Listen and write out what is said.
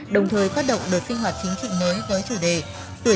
đồng thời phát động đợt sinh hoạt chính trị mới với chủ đề